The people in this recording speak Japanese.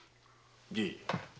じい。